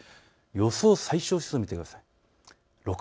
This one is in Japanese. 予想最小湿度を見てください。